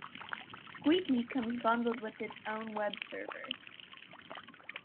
Swiki comes bundled with its own web server.